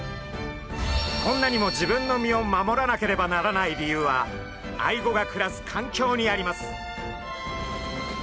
こんなにも自分の身を守らなければならない理由はアイゴが暮らす環境にあります。